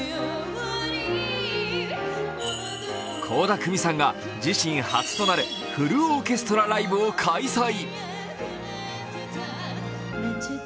倖田來未さんが自身初となるフルオーケストラライブを開催。